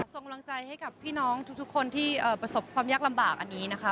ส่งกำลังใจให้กับพี่น้องทุกคนที่ประสบความยากลำบากอันนี้นะคะ